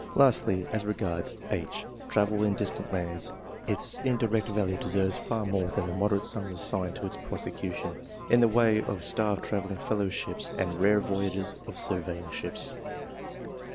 Lastly, as regards H, travel in distant lands, its indirect value deserves far more than the moderate sums assigned to its prosecution, in the way of starved travelling fellowships and rare voyages of surveying ships.